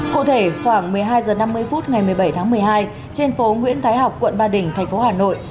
cụ thể khoảng một mươi hai h năm mươi phút ngày một mươi bảy tháng một mươi hai trên phố nguyễn thái học quận ba đình thành phố hà nội